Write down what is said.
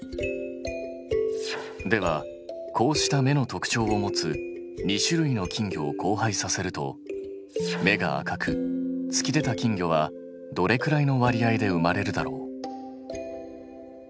ではこうした目の特徴を持つ２種類の金魚を交配させると目が赤く突き出た金魚はどれくらいの割合で生まれるだろう？